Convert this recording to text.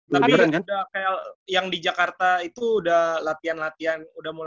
tapi udah kayak yang di jakarta itu udah latihan latihan udah mulai